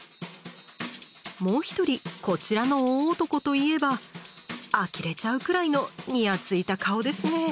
もう一人こちらの大男といえばあきれちゃうくらいのにやついた顔ですね。